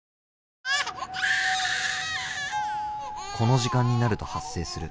この時間になると発生する